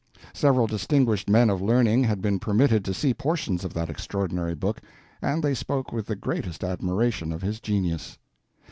Several distinguished men of learning had been permitted to see portions of that extraordinary book, and they spoke with the greatest admiration of his genius.